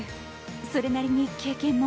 それなりに経験も。